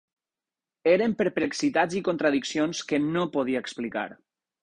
Eren perplexitats i contradiccions que no podia explicar.